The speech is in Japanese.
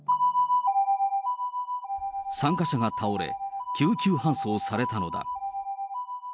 参加者が倒れ、救急搬送されたのだ。